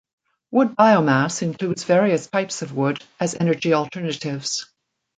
Wood biomass includes various types of wood as energy alternatives.